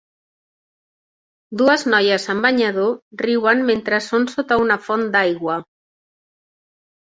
Dues noies amb banyador riuen mentre són sota una font d'aigua.